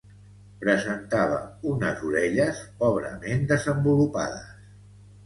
Presentava unes orelles pobrament desenvolupades.